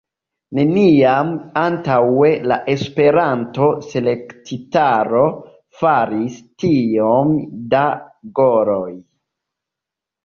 Neniam antaŭe la Esperanto-Selektitaro faris tiom da goloj.